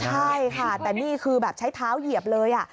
ใช่ค่ะแต่นี่คือแบบใช้เท้าเหยียบเลย